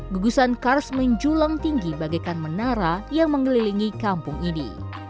gugusan kars menjulang tinggi bagaikan menara yang mengelilingi kampung ini